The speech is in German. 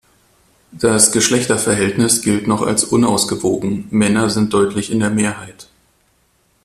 Das Geschlechterverhältnis gilt noch als unausgewogen, Männer sind deutlich in der Mehrheit.